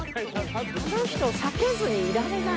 この人を避けずにいられない。